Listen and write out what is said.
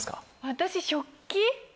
私食器。